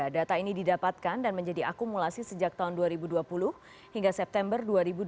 data ini didapatkan dan menjadi akumulasi sejak tahun dua ribu dua puluh hingga september dua ribu dua puluh